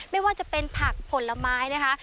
ไม่ว่าจะเป็นผักผลไม้นะคะ